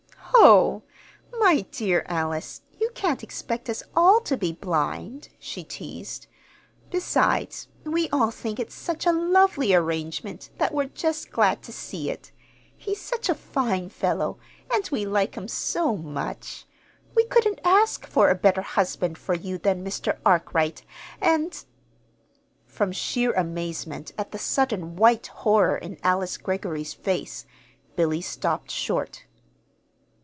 "Ho! My dear Alice, you can't expect us all to be blind," she teased. "Besides, we all think it's such a lovely arrangement that we're just glad to see it. He's such a fine fellow, and we like him so much! We couldn't ask for a better husband for you than Mr. Arkwright, and " From sheer amazement at the sudden white horror in Alice Greggory's face, Billy stopped short.